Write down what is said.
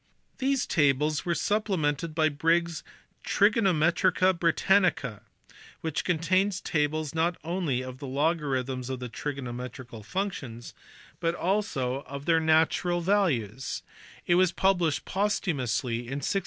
These tables were supplemented by Briggs s Trigono metrica Britannica, which contains tables not only of the logarithms of the trigonometrical functions, but also of their 202 THE DEVELOPMENT OF ARITHMETIC. 1300 1637. natural values: it was published posthumously in 1633.